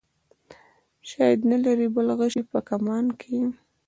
شاید نه لرې بل غشی په کمان کې.